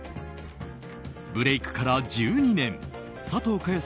ブレークから１２年佐藤かよ